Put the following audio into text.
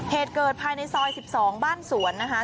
เหตุเกิดภายในซอย๑๒บ้านสวนนะคะ